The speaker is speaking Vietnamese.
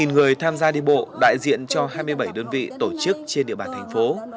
một mươi người tham gia đi bộ đại diện cho hai mươi bảy đơn vị tổ chức trên địa bàn thành phố